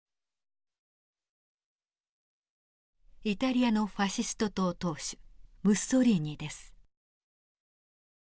イタリアのファシスト党党首ムッソリーニです。